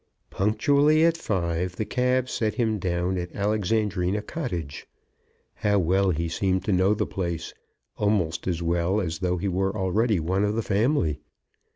Punctually at five the cab set him down at Alexandrina Cottage. How well he seemed to know the place; almost as well as though he were already one of the family.